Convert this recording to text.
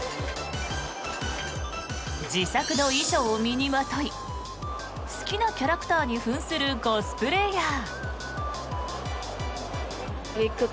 自作の衣装を身にまとい好きなキャラクターに扮するコスプレーヤー。